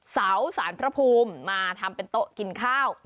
สารพระภูมิมาทำเป็นโต๊ะกินข้าว